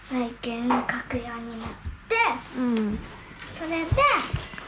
それで。